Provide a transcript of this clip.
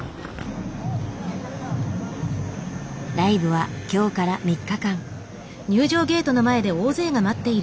ライブは今日から３日間。